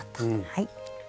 はい。